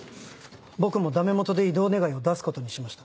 僕もダメもとで異動願を出すことにしました。